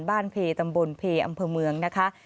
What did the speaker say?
บ้านเพรย์ตำบลเพรย์อำเภอเมืองนะคะ